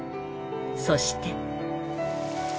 そして。